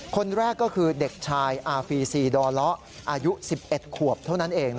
คนแรกก็คือเด็กชายอาฟีซีดอเลาะอายุ๑๑ขวบเท่านั้นเอง